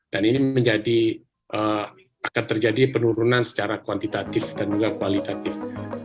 ini menjadi akan terjadi penurunan secara kuantitatif dan juga kualitatif